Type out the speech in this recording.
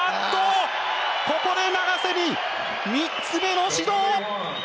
ここで永瀬に３つ目の指導。